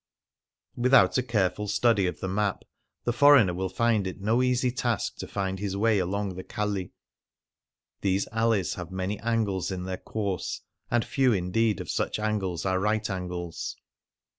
^Vithout a careful study of the map, the foreigner will find it no easy task to find his way along the calli. These alleys have many angles in their course, and few indeed of such angles are right angles.